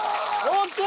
ＯＫ！